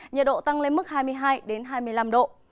nhiệt độ tăng lên mức hai mươi hai hai mươi năm độ